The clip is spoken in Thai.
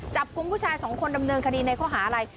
กุมผู้ชายสองคนดำเนินคดีในข้อหาอะไร